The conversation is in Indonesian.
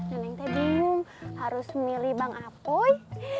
neng teh bingung harus milih bang apoy